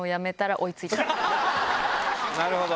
なるほど。